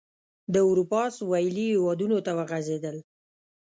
د اروپا سوېلي هېوادونو ته وغځېدل.